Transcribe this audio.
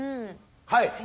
はい。